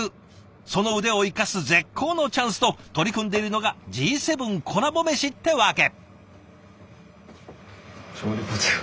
その腕を生かす絶好のチャンスと取り組んでいるのが「＃Ｇ７コラボめし」ってわけ。